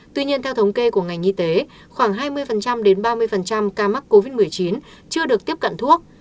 tuy nhiên theo thống kê của ngành y tế khoảng hai mươi đến ba mươi ca mắc covid một mươi chín chưa được tiếp cận thuốc